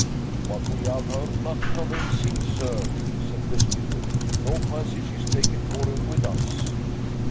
"But we have heard nothing of him since, sir," said the steward. "No passage is taken for him with us."